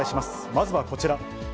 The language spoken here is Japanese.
まずはこちら。